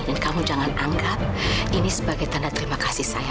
dan kamu jangan anggap ini sebagai tanda terima kasih saya